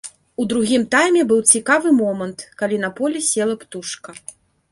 У другім тайме быў цікавы момант, калі на поле села птушка.